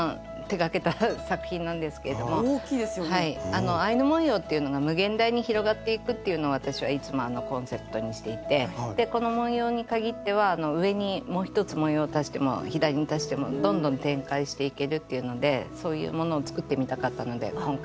あのアイヌ文様っていうのが無限大に広がっていくっていうのを私はいつもコンセプトにしていてでこの文様に限っては上にもう１つ文様を足しても左に足してもどんどん展開していけるっていうのでそういうものを作ってみたかったので今回。